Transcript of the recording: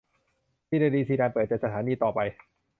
ซีเนอดีน ซีดาน เปิดใจ สถานีต่อไป